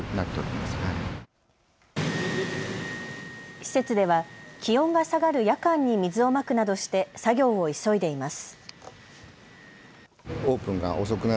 施設では気温が下がる夜間に水をまくなどして作業を急いでいます。